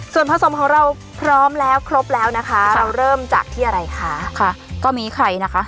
ส่วนผสมของเราพร้อมแล้วครบแล้วนะคะเราเริ่มจากที่อะไรคะค่ะก็มีใครนะคะ